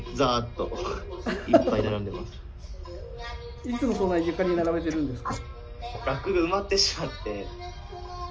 いつもそんな床に並べてるんですか？